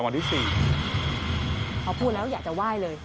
พอพูดแล้วอยากจะไหว้เลย